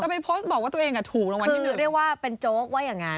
ไปโพสต์บอกว่าตัวเองถูกรางวัลที่๑เรียกว่าเป็นโจ๊กว่าอย่างนั้น